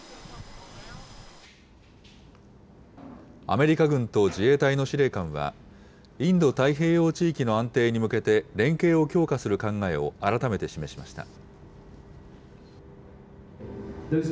アメリカ軍と自衛隊の司令官は、インド太平洋地域の安定に向けて、連携を強化する考えを改めて示しました。